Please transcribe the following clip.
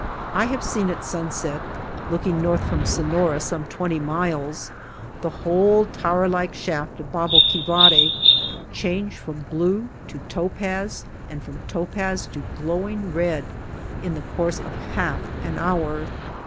I have seen at sunset, looking north from Sonora some twenty miles, the whole tower like shaft of Baboqui vari change from blue to topaz and from topaz to glowing red in the course of half an hour.